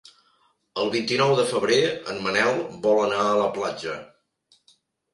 El vint-i-nou de febrer en Manel vol anar a la platja.